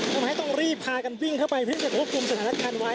ทำให้ต้องรีบพากันวิ่งเข้าไปเพื่อจะควบคุมสถานการณ์ไว้